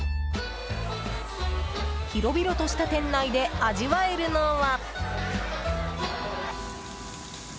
広々とした店内で味わえるのは。